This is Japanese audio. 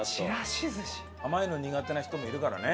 甘いの苦手な人もいるからね。